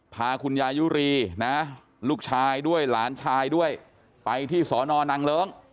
พาคุณยายุรีนะลูกชายด้วยหลานชายด้วยไปที่สอนอนางเลิ้ง